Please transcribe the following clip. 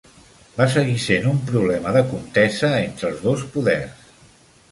Va seguir sent un problema de contesa entre els dos poders.